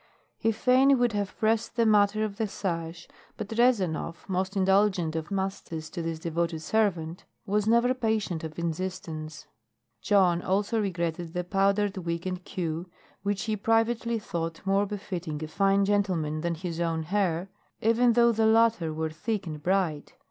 He fain would have pressed the matter of the sash, but Rezanov, most indulgent of masters to this devoted servant, was never patient of insistence. Jon also regretted the powdered wig and queue, which he privately thought more befitting a fine gentleman than his own hair, even though the latter were thick and bright.